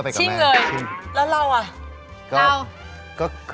พรมเกาะเจ็บ